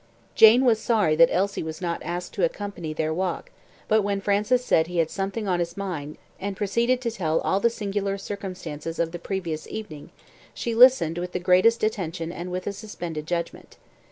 Jane was sorry that Elsie was not asked to accompany their walk; but when Francis said he had something on his mind, and proceeded to tell all the singular circumstances of the previous evening, she listened with the greatest attention and with a suspended judgment.